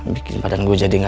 bikin badan gua jadi gak enak